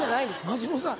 松本さん